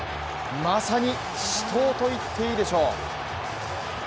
まさに死闘と言っていいでしょう。